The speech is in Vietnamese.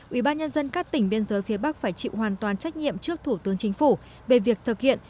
ủy ban nhân dân các tỉnh biên giới phía bắc phải chịu hoàn toàn trách nhiệm trước thủ tướng chính phủ về việc thực hiện